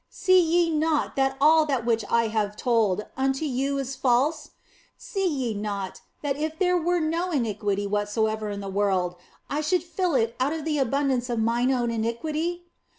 See ye not that all that which I have told unto you is false ? See ye not that if there were no iniquity whatsoever in the world, I should fill it out of the abundance of mine own iniquity